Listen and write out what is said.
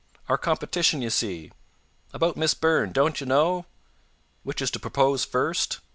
"Our competition, you see." "About Miss Burn, don't you know." "Which is to propose first?"